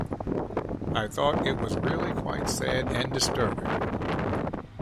I thought it was really quite sad and disturbing.